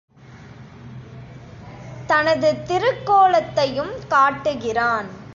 தனது திருக்கோலத்தையும் காட்டுகிறான்.